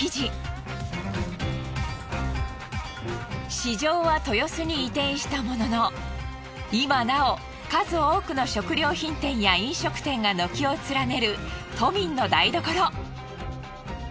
市場は豊洲に移転したものの今なお数多くの食料品店や飲食店が軒を連ねる都民の台所。